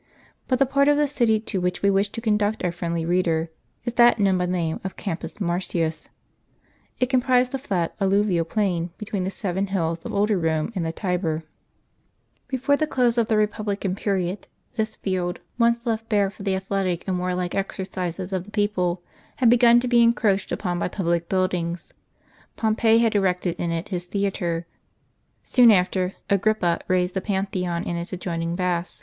But the part of the city to which we wish to conduct our friendly reader is that know^n by the name of the Campus Mar tins. It comiDrised the flat alluvial plain betw^een the seven hills of older Rome and the Tiber. Before the close of the repub lican period, this field, once left bare for the athletic and war ^y^ Street of tlip Thp ms. § Plan of Pant a's house, at Pompeii like exercises of the j^eoi^le, had begun to be encroached upon by public buildings. Pompey had erected in it his theatre ; soon after, Agrippa raised the Pantheon and its adjoining baths.